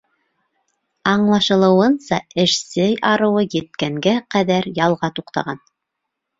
Аңлашылыуынса, эшсе арыуы еткәнгә ҡәҙәр ялға туҡтаған.